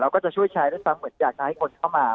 ก็จะช่วยแชร์ด้วยซ้ำเหมือนอยากจะให้คนเข้ามา